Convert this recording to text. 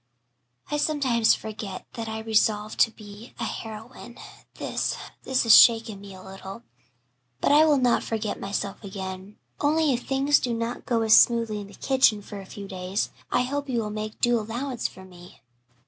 I sometimes forget that I resolved to be a heroine. This this has shaken me a little. But I will not forget myself again. Only if things do not go as smoothly in the kitchen for a few days I hope you will make due allowance for me.